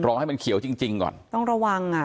ให้มันเขียวจริงจริงก่อนต้องระวังอ่ะ